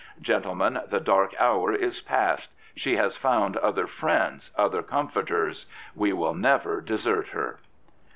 Gentlemen, the dark hour is past. She has found other friends, other comforters. We will never desert her."